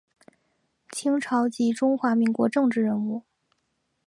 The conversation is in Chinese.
清朝及中华民国政治人物。